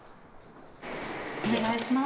お願いします。